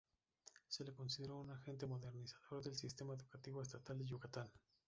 Se le consideró un agente modernizador del sistema educativo estatal de Yucatán.